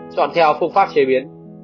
chọn theo phương pháp chế biến